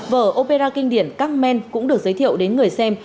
vở opera kinh điển cang men cũng được giới thiệu đến người xem